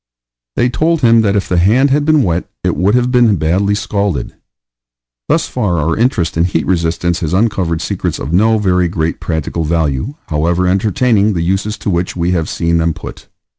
They told him that if the hand had been wet it would have been badly scalded. Thus far our interest in heat resistance has uncovered secrets of no very great practical value, however entertaining the uses to which we have seen them put.